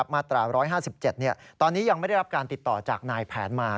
มาตรา๑๕๗ตอนนี้ยังไม่ได้รับการติดต่อจากนายแผนมา